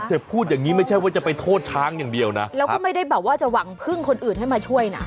พูดอย่างงี้ไม่ใช่ว่าจะไปโทษช้างอย่างเดียวนะแล้วก็ไม่ได้แบบว่าจะหวังพึ่งคนอื่นให้มาช่วยนะ